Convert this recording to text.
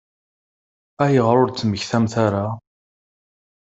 Ayɣer ur d-temmektamt ara?